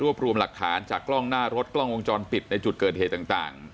รวมรวมหลักฐานจากกล้องหน้ารถกล้องวงจรปิดในจุดเกิดเหตุต่าง